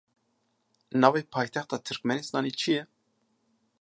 Navê paytexta Tirkmenistanê çi ye?